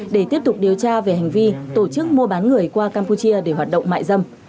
để tiếp tục điều tra về hành vi tổ chức mua bán người qua campuchia để hoạt động mại dâm